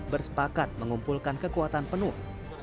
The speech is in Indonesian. bersepakat mengumpulkan kekuatan penuh